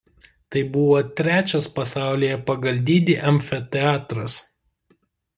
Tai buvo trečias pasaulyje pagal dydį amfiteatras.